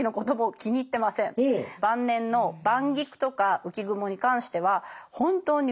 晩年の「晩菊」とか「浮雲」に関しては本当にうまい。